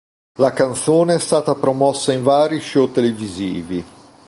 La canzone è stata promossa in vari show televisivi.